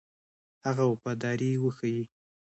هغه وفاداري وښيي.